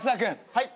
はい。